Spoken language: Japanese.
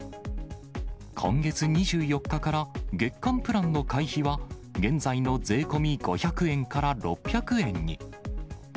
今月２４日から月間プランの会費は、現在の税込み５００円から６００円に。